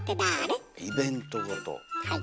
はい。